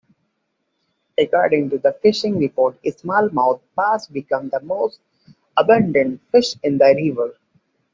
According to fishing reports small-mouth bass became the most abundant fish in the river.